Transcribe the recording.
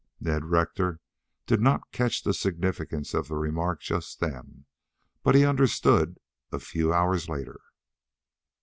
Ned Rector did not catch the significance of the remark just then, but he understood a few hours later.